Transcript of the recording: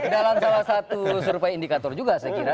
dalam salah satu survei indikator juga saya kira